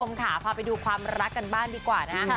คุณสมขาพาไปดูความรักกันบ้านดีกว่านะครับ